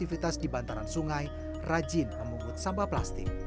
aktivitas di bantaran sungai rajin memungut sampah plastik